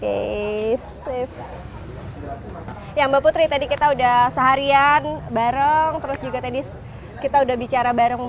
oke ya mbak putri tadi kita udah seharian bareng terus juga tadi kita udah bicara bareng